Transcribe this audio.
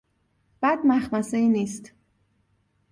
بد مخمصهای نیست!